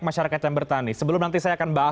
masyarakat yang bertani sebelum nanti saya akan bahas